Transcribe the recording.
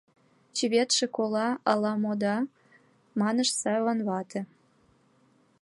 — Чыветше кола ала-мо да? — манеш Саван вате.